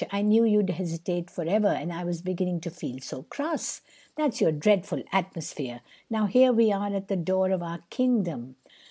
I knew you'd hesitate forever, and I was beginning to feel so cross! That's your dreadful atmosphere! Now, here we are at the door of our kingdom.